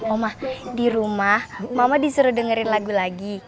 omah di rumah mama disuruh dengerin lagu lagi